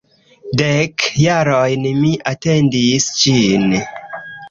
Dek jarojn mi atendis ĝin!